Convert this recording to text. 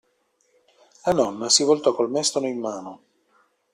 La nonna si voltò col mestolo in mano.